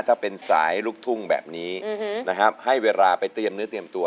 ถ้าเป็นสายลูกทุ่งแบบนี้นะครับให้เวลาไปเตรียมเนื้อเตรียมตัว